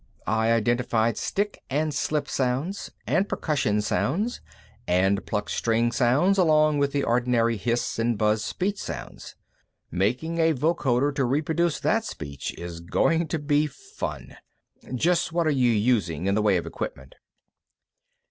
"I identified stick and slip sounds and percussion sounds, and plucked string sounds, along with the ordinary hiss and buzz speech sounds. Making a vocoder to reproduce that speech is going to be fun. Just what are you using, in the way of equipment?"